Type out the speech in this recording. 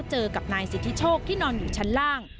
เจอกับนายสิทธิโชคที่นอนอยู่ชั้นล่าง